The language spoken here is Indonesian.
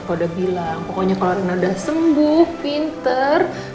pokoknya kalau rina udah sembuh pinter